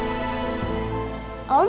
jadi kalian pernah ketemu